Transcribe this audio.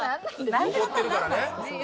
怒ってるからね。